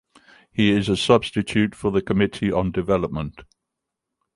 He is a substitute for the Committee on Development.